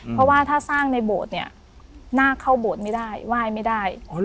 เพราะว่าถ้าสร้างในโบสถ์เนี่ยน่าเข้าโบสถ์ไม่ได้ไหว้ไม่ได้